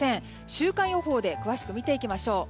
週間予報で詳しく見ていきましょう。